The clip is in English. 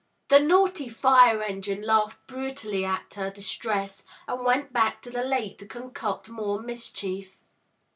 The naughty fire engine laughed brutally at her distress, and went back to the lake to concoct more mischief.